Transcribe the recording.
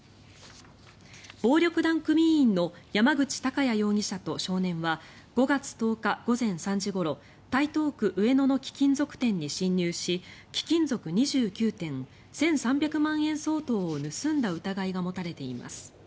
暴力団組員の山口隆弥容疑者と少年は５月１０日午前３時ごろ台東区上野の貴金属店に侵入し貴金属２９点１３００万円相当を盗んだ疑いが持たれています。